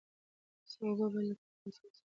د څاه اوبه باید له ککړتیا څخه وساتل سي.